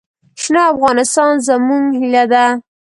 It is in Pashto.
شنه افغانستان زموږ هیله ده.